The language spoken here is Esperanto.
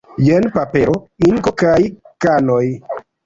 Jen papero, inko kaj kanoj.